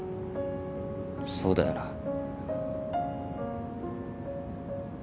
そうだよな。